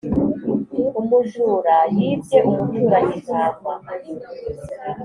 umujura yibye umuturanyi intama (